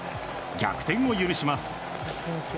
逆転を許します。